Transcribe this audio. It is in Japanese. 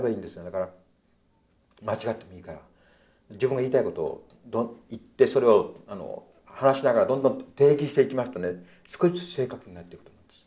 だから間違ってもいいから自分が言いたいことを言ってそれを話しながらどんどん定義していきますとね少しずつ正確になっていくと思うんです。